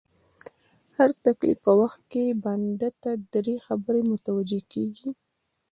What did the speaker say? د هر تکليف په وخت کي بنده ته دری خبري متوجې کيږي